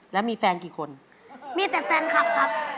แล้วมีแฟนกี่คนมีแต่แฟนคลับครับ